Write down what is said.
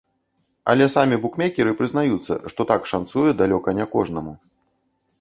Але самі букмекеры прызнаюцца, што так шанцуе далёка не кожнаму.